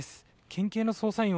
県警の捜査員